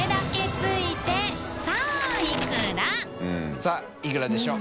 気いくらでしょう？